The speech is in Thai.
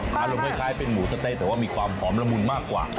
อารมณ์คล้ายเป็นหมูสะเต๊ะแต่ว่ามีความหอมละมุนมากกว่า